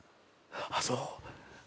あっそう。